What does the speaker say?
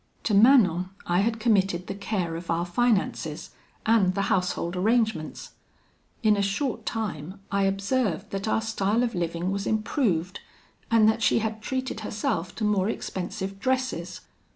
"To Manon I had committed the care of our finances, and the house hold arrangements. In a short time, I observed that our style of living was improved, and that she had treated herself to more expensive dresses.